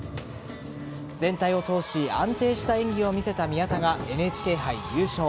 全体を通し安定した演技を見せた宮田がＮＨＫ杯優勝。